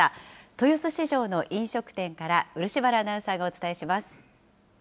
豊洲市場の飲食店から、漆原アナウンサーがお伝えします。